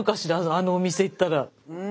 あのお店行ったら。